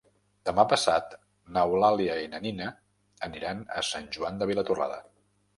Demà passat n'Eulàlia i na Nina aniran a Sant Joan de Vilatorrada.